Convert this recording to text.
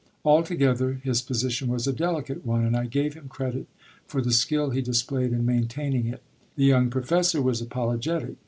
Altogether his position was a delicate one, and I gave him credit for the skill he displayed in maintaining it. The young professor was apologetic.